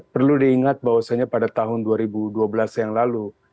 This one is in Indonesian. perlu diingat bahwasannya pada tahun dua ribu dua belas yang lalu